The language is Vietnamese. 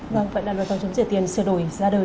vâng vậy là luật phòng chống rửa tiền sửa đổi ra đời